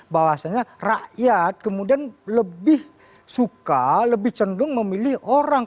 bahwasanya rakyat kemudian lebih suka lebih cenderung memilih orang